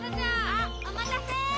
あっおまたせ！